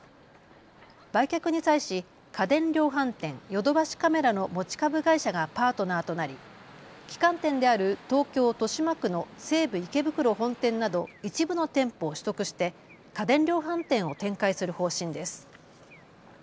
売却に際し家電量販店、ヨドバシカメラの持ち株会社がパートナーとなり旗艦店である東京豊島区の西武池袋本店など一部の店舗を取得して家電量販店を展開する方針です。